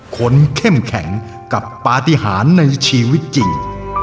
คนเข้มแข็งกับปฏิหารในชีวิตจริง